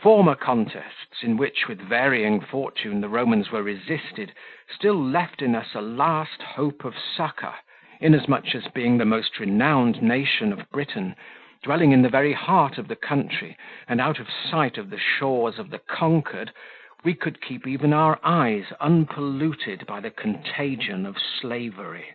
Former contests, in which, with varying fortune, the Romans were resisted, still left in us a last hope of succour, inasmuch as being the most renowned nation of Britain, dwelling in the very heart of the country, and out of sight of the shores of the conquered, we could keep even our eyes unpolluted by the contagion of slavery.